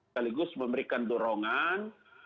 salinggus memberikan dorongan motivasi yang kuat